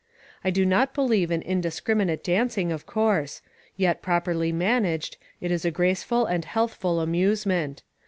I do not believe in indiscriminate dancing, of course ; yet properly managed, it is a grace ful and healthful amusement.